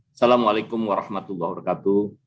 assalamualaikum warahmatullahi wabarakatuh